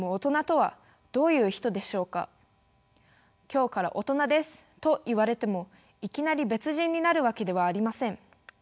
今日から大人ですと言われてもいきなり別人になるわけではありません。